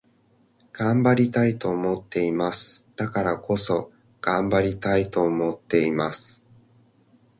頑張りたいと思っています。だからこそ、頑張りたいと思っています。